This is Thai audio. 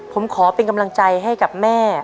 ผมขอเป็นกำลังใจให้กับแม่